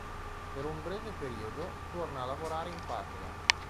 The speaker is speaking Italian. Per un breve periodo, torna a lavorare in patria.